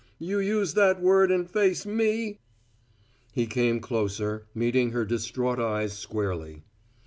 You use that word and face me?" He came closer, meeting her distraught eyes squarely.